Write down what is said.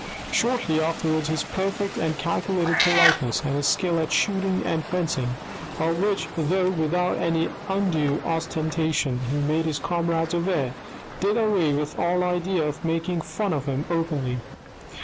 Shortly afterwards his perfect and calculated politeness, and his skill at shooting and fencing, of which, though without any undue ostentation, he made his comrades aware, did away, with all idea of making fun of him openly.